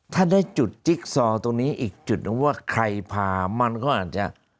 ถ้าได้จุดจิ๊กซอตรงนี้อีกจุดหนึ่งว่าใครพามันก็อาจจะ